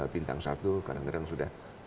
bintang satu kadang kadang sudah